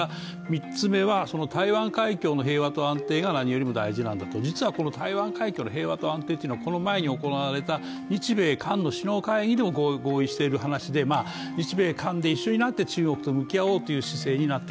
３つ目は、台湾海峡の平和と安定が何よりも大事なんだと、実は台湾海峡の平和と安定というのはこの前に行われた日米韓の首脳会議でも合意している話で、日米韓で一緒になって中国に向き合おうと。